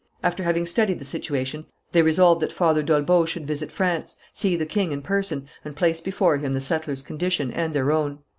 After having studied the situation they resolved that Father d'Olbeau should visit France, see the king in person, and place before him the settlers' condition and their own.